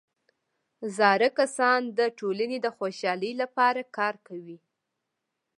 زاړه کسان د ټولنې د خوشحالۍ لپاره کار کوي